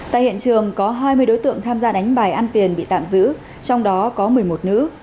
tại hiện trường có hai mươi đối tượng tham gia đánh bài ăn tiền bị tạm giữ trong đó có một mươi một nữ